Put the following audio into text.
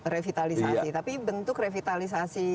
revitalisasi tapi bentuk revitalisasi